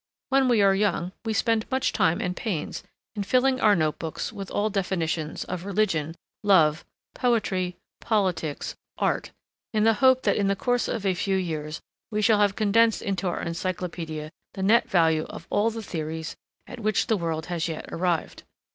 When we are young we spend much time and pains in filling our note books with all definitions of Religion, Love, Poetry, Politics, Art, in the hope that in the course of a few years we shall have condensed into our encyclopaedia the net value of all the theories at which the world has yet arrived.